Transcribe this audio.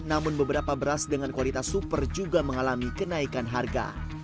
namun beberapa beras dengan kualitas super juga mengalami kenaikan harga